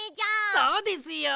そうですよ。